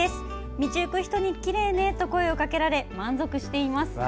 道行く人にきれいねと声をかけられ満足しています。